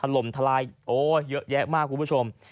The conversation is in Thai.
หล่มทลายเยอะแยะมากครับคุณผู้ชม